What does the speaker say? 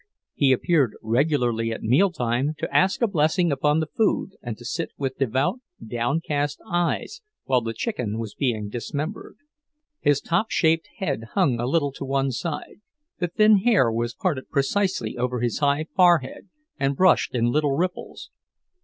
He appeared regularly at mealtime to ask a blessing upon the food and to sit with devout, downcast eyes while the chicken was being dismembered. His top shaped head hung a little to one side, the thin hair was parted precisely over his high forehead and brushed in little ripples.